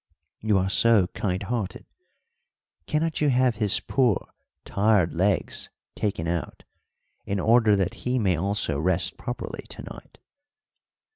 You are so kind hearted, cannot you have his poor tired legs taken out in order that he may also rest properly to night?"